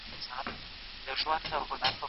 ړانده سړي د ږیري سره ډېري مڼې خوړلي دي.